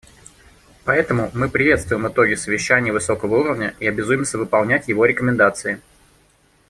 Поэтому мы приветствуем итоги Совещания высокого уровня и обязуемся выполнять его рекомендации.